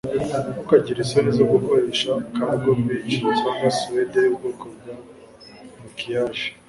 Ntukagire isoni zo gukoresha Cargo Beach cyangwa Suede y'ubwoko bwa maquillage